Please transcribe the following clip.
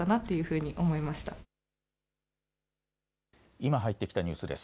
今入ってきたニュースです。